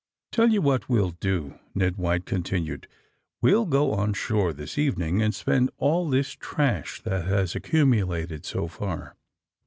^^Tell you what we'll do," Ned White con tinued. ^^We'll go on shore this evening and spend all this trash that has accumulated so far."